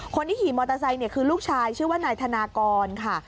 คนที่ขี่มอเตอร์ไซค์คือลูกชายชื่อว่านายธนากรค่ะ